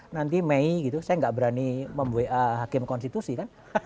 nanti mei gitu saya nggak berani mem wa hakim konstitusi kan